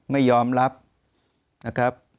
ไม่ยอมรับนะครับ